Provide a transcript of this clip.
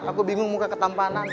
aku bingung muka ketampanan